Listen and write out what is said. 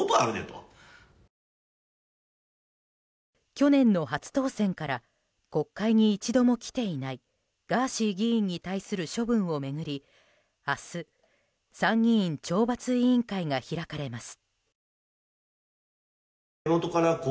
去年の初当選から国会に一度も来ていないガーシー議員に対する処分を巡り明日、参議院・懲罰委員会が開かれます。